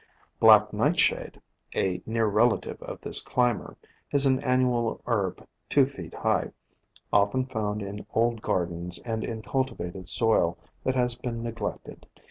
Black Nightshade, a near relative of this climber, is an annual herb two feet high, often found in old gardens and in cultivated soil that has been neg lected.